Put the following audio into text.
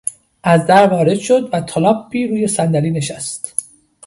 از در وارد شد و تالاپی روی صندلی نشست.